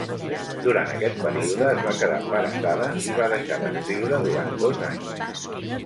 Durant aquest període es va quedar embarassada i va deixar d’escriure durant dos anys.